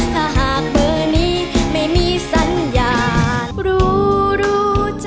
ถ้าหากเบอร์นี้ไม่มีสัญญาณ